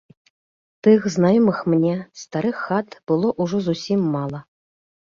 Тых, знаёмых мне, старых хат было ўжо зусім мала.